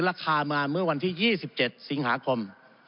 ราคามาเมื่อวันที่๒๗สิงหาคม